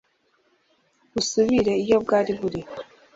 busubire iyo bwari buri